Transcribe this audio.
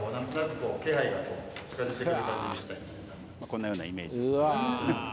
こんなようなイメージ。